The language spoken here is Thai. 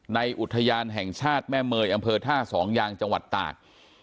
อุทยานแห่งชาติแม่เมย์อำเภอท่าสองยางจังหวัดตาก